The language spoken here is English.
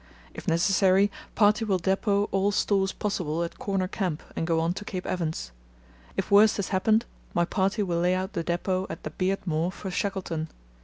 If necessary, party will depot all stores possible at Corner Camp and go on to Cape Evans. If worst has happened my party will lay out the depot at the Beardmore for Shackleton.